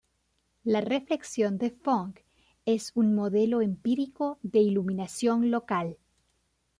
La reflexión de Phong es un modelo empírico de iluminación local.